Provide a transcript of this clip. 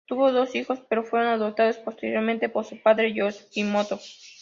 Tuvo dos hijos, pero fueron adoptados posteriormente por su padre Yoshimoto.